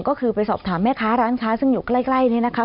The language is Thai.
ก็คือไปสอบถามแม่ค้าร้านค้าซึ่งอยู่ใกล้นี่นะคะ